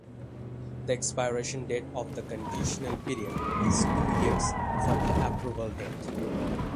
The expiration date of the conditional period is two years from the approval date.